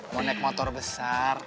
mau naik motor besar